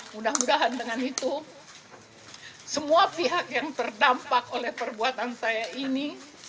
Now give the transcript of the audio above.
mudah mudahan dengan itu semua pihak yang terdampak oleh perbuatan saya ini